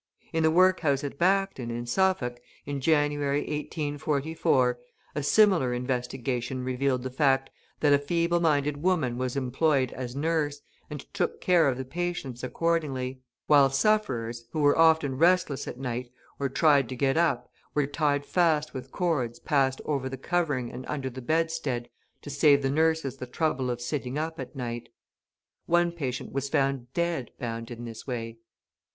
In the workhouse at Bacton, in Suffolk, in January, 1844, a similar investigation revealed the fact that a feeble minded woman was employed as nurse, and took care of the patients accordingly; while sufferers, who were often restless at night, or tried to get up, were tied fast with cords passed over the covering and under the bedstead, to save the nurses the trouble of sitting up at night. One patient was found dead, bound in this way.